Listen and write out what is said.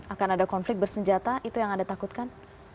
akan ada konflik bersenjata itu yang anda takutkan